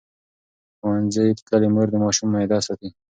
ښوونځې تللې مور د ماشوم معده ساتي.